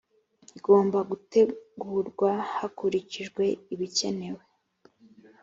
igomba gutegurwa hakurikijwe ibikenewe